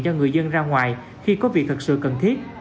cho người dân ra ngoài khi có việc thật sự cần thiết